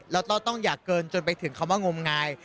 แล้วก็ต้องอย่าเกินจนไปถึงคำว่างมงาย